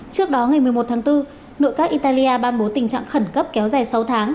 trước đó ngày một mươi một tháng bốn nội các italia ban bố tình trạng khẩn cấp kéo dài sáu tháng